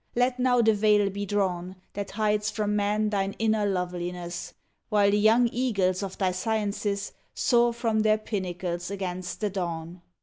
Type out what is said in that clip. Let now the veil be drawn That hides from man thine inner loveliness, While the young eagles of thy sciences Soar from their pinnacles against the dawn